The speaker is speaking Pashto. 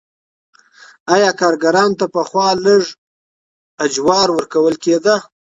آیا کارګرانو ته پخوا لږه اجوره ورکول کیده؟